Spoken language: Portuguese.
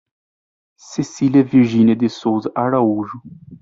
Cecilia Virginia de Souza Araújo